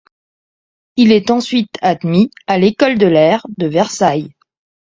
Il est ensuite admis à l'école de l'air de Versailles.